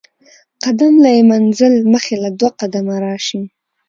قدم له ئې منزل مخي له دوه قدمه راشي